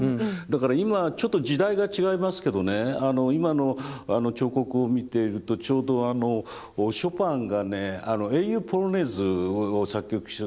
だから今ちょっと時代が違いますけどねあの今の彫刻を見ているとちょうどショパンがね英雄ポロネーズを作曲した。